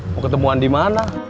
mau ketemuan di mana